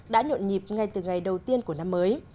đã nhộn nhịp ngay từ ngày đầu tiên của năm mới